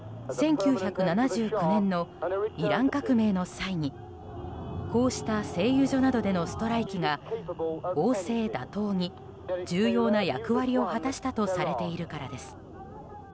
１９７９年のイラン革命の際にこうした製油所などでのストライキが王政打倒に重要な役割を果たしたとされているからです。